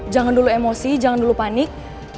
jangan dulu emosi jangan dulu panik